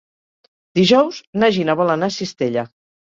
Dijous na Gina vol anar a Cistella.